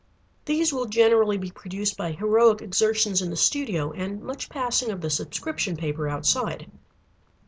These will generally be produced by heroic exertions in the studio, and much passing of the subscription paper outside.